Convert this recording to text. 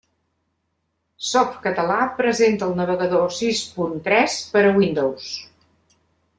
Softcatalà presenta el Navegador sis punt tres per a Windows.